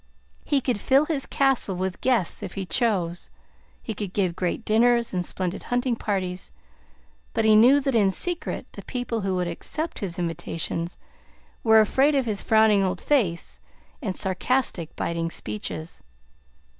He could fill his castle with guests if he chose. He could give great dinners and splendid hunting parties; but he knew that in secret the people who would accept his invitations were afraid of his frowning old face and sarcastic, biting speeches.